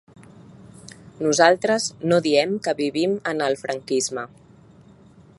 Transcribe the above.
Nosaltres no diem que vivim en el franquisme.